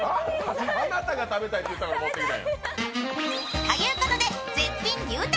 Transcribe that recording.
あなたが食べたいって言ったから持ってきた。